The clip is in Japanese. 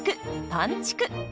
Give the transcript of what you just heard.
「パンちく」。